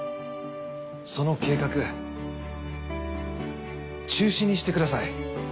その計画中止にしてください。